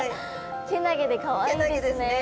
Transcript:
けなげでかわいいですね。